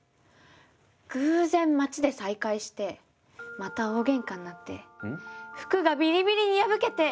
偶然街で再会してまた大げんかになって服がビリビリに破けて。